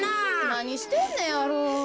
なにしてんねやろ。